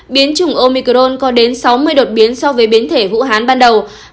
biến chủng omicron có đến sáu mươi đột biến so với biến thể vũ hán ban đầu